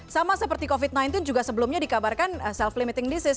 sama seperti covid sembilan belas juga sebelumnya dikabarkan self limiting disease